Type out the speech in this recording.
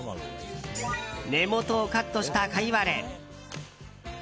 根元をカットしたカイワレ。